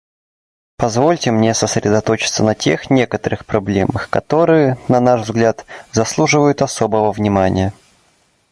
Позвольте мне сосредоточиться на тех некоторых проблемах, которые, на наш взгляд, заслуживают особого внимания.